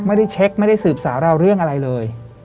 ไม่ได้เช็คไม่ได้สืบสาวเราเรื่องอะไรเลย